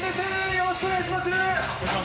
よろしくお願いします。